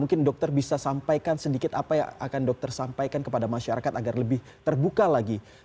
mungkin dokter bisa sampaikan sedikit apa yang akan dokter sampaikan kepada masyarakat agar lebih terbuka lagi